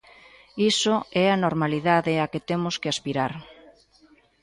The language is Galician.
Iso é a normalidade á que temos que aspirar.